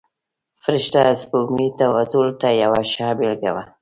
فرشته سپوږمۍ ټولو ته یوه ښه بېلګه ده.